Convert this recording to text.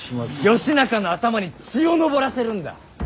義仲の頭に血を上らせるんだ。